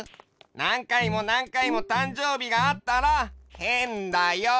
なんかいもなんかいもたんじょうびがあったらへんだよ。